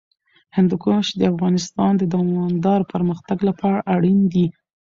هندوکش د افغانستان د دوامداره پرمختګ لپاره اړین دي.